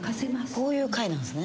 こういう会なんすね。